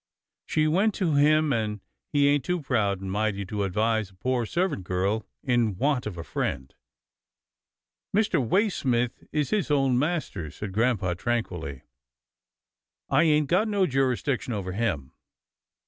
She went to him, and he ain't too proud and mighty to advise a poor servant girl in want of a friend." " Mr. Waysmith is his own master," said grampa, tranquilly, " I ain't got no jurisdiction over him."